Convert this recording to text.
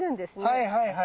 はいはいはい。